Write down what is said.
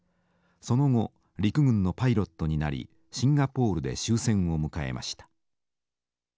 その後陸軍のパイロットになりシンガポールで終戦を迎えました。